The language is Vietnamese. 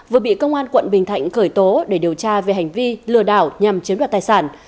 vừa bị công an quận bình thạnh khởi tố để điều tra về hành vi lừa đảo nhằm chiếm đoạt tài sản